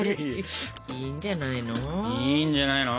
いいんじゃないの？